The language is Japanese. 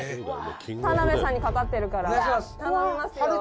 「田辺さんにかかってるから頼みますよ」